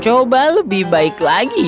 coba lebih baik lagi